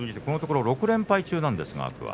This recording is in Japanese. このところ６連敗中です。